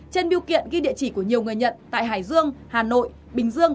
trên biêu kiện ghi địa chỉ của nhiều người nhận tại hải dương hà nội bình dương